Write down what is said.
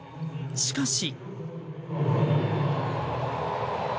しかし。